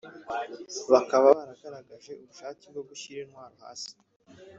Bakaba baranagaraje ubushake bwo gushyira intwaro hasi